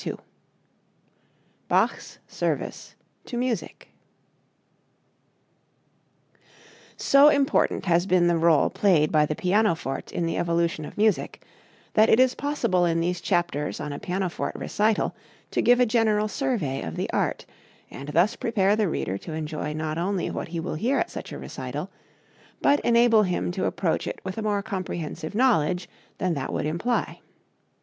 II BACH'S SERVICE TO MUSIC So important has been the rôle played by the pianoforte in the evolution of music that it is possible in these chapters on a pianoforte recital to give a general survey of the art, and thus prepare the reader to enjoy not only what he will hear at such a recital, but enable him to approach it with a more comprehensive knowledge than that would imply.